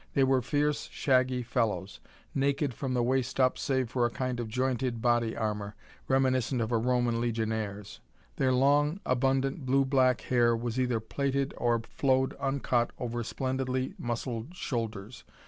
They were fierce, shaggy fellows, naked from the waist up save for a kind of jointed body armor, reminiscent of a Roman legionnaire's. Their long abundant blue black hair was either plaited or flowed uncut over splendidly muscled shoulders.